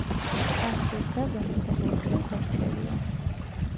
ასჯერ გაზომე და ერთხელ გასჭერიო